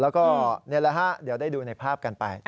แล้วก็นี่แหละฮะเดี๋ยวได้ดูในภาพกันไป